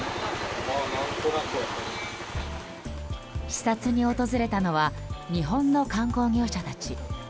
視察に訪れたのは日本の観光業者たち。